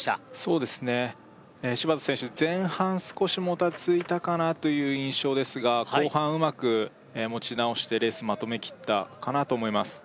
少しもたついたかなという印象ですが後半うまく持ち直してレースまとめきったかなと思います